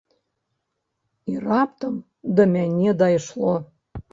І раптам да мяне дайшло.